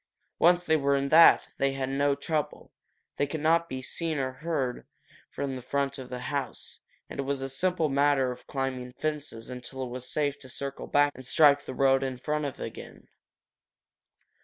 Once they were in that, they had no trouble. They could not be heard or seen from the front of the house, and it was a simple matter of climbing fences until it was safe to circle back and strike the road in front again.